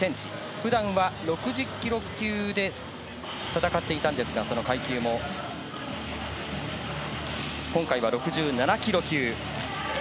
普段は６０ｋｇ級で戦っていたんですが、その階級も今回は６７ｋｇ級。